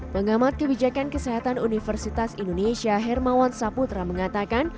pengamat kebijakan kesehatan universitas indonesia hermawan saputra mengatakan